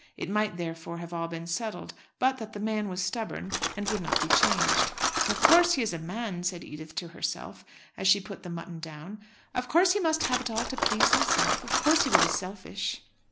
It might, therefore, have all been settled, but that the man was stubborn, and would not be changed. "Of course, he is a man," said Edith to herself, as she put the mutton down. "Of course he must have it all to please himself. Of course he will be selfish."